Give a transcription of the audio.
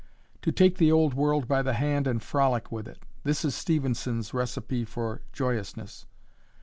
"To take the old world by the hand and frolic with it;" this is Stevenson's recipe for joyousness.